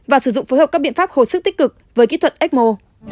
và sử dụng phối hợp các biện pháp hồi sức tích cực với kỹ thuật ecmo